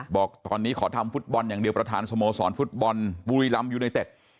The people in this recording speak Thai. บอกตอนนี้ขอทำฟุตบอลอย่างเดียวประธานสโมสรฟุตบอลบุรีรำยูไนเต็ด